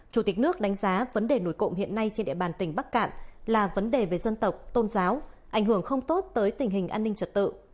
chủ tịch nước đánh giá vấn đề nổi cộng hiện nay trên địa bàn tỉnh bắc cạn là vấn đề về dân tộc tôn giáo ảnh hưởng không tốt tới tình hình an ninh trật tự